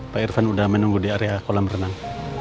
pak irfan sudah menunggu di area kolam renang